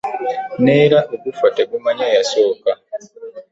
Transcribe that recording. Neera ogufa tegumanya yasooka .